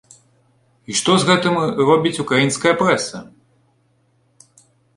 Што з гэтым робіць украінская прэса?